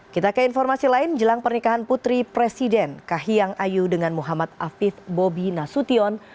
kita ke informasi lain jelang pernikahan putri presiden kahiyang ayu dengan muhammad afif bobi nasution